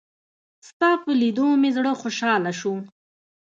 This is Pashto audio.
ستا په لېدو مې زړه خوشحاله شو.